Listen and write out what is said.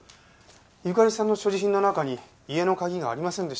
ゆかりさんの所持品の中に家の鍵がありませんでしたから。